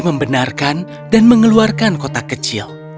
dia mengambil sehelai rambut pangeran dan mengeluarkan kotak kecil